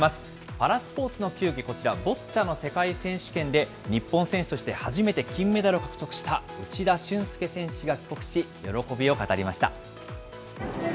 パラスポーツの球技、こちらボッチャの世界選手権で、日本選手として初めて金メダルを獲得した内田峻介選手が帰国し、喜びを語りました。